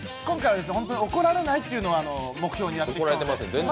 今回、ホントに怒られないというのを目標にやってます。